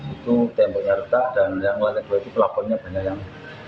itu temboknya retak dan yang lain lain itu pelapornya banyak yang